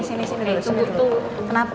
saya sudah lakukan